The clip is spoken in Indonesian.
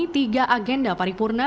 tiga agenda paripurna